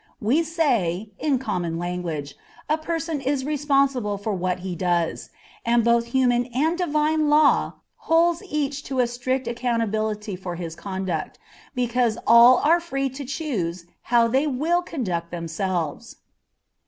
We say, in common language, a person is responsible for what he does, and both human and divine law holds each to a strict accountability for his conduct, because all are free to choose how they will conduct themselves.